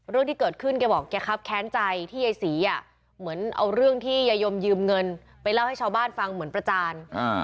เรื่องที่เกิดขึ้นแกบอกแกครับแค้นใจที่ยายศรีเหมือนเอาเรื่องที่ยายมยืมเงินไปเล่าให้ชาวบ้านฟังเหมือนประจาน